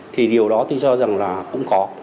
thì điều đó tôi cho rằng là cũng có